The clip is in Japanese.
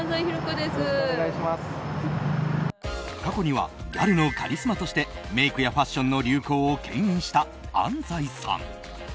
過去にはギャルのカリスマとしてメイクやファッションの流行を牽引した安西さん。